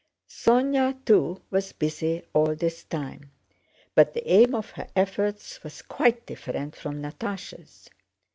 Sónya too was busy all this time, but the aim of her efforts was quite different from Natásha's.